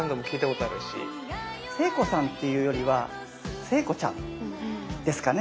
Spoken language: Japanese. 聖子さんっていうよりは聖子ちゃんですかね。